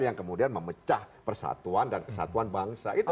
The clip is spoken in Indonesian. yang kemudian memecah persatuan dan kesatuan bangsa itu